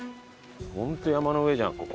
ホント山の上じゃんここ。